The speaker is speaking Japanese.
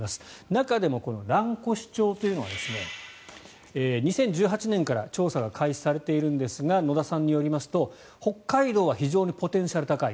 中でも蘭越町というのは２０１８年から調査が開始されているんですが野田さんによりますと、北海道は非常にポテンシャルが高い。